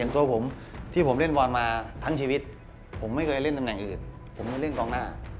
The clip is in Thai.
ตัวผมที่ผมเล่นบอลมาทั้งชีวิตผมไม่เคยเล่นตำแหน่งอื่นผมไม่เล่นกองหน้า